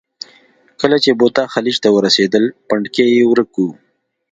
کله چې بوتا خلیج ته ورسېدل، پنډکی یې ورک و.